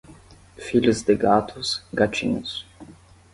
Filhos de gatos, gatinhos.